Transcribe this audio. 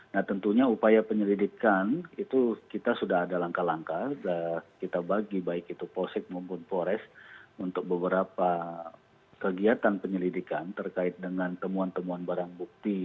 nah tentunya upaya penyelidikan itu kita sudah ada langkah langkah kita bagi baik itu polsek maupun polres untuk beberapa kegiatan penyelidikan terkait dengan temuan temuan barang bukti